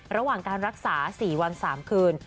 ระหว่างการรักษา๔วัน๓คืน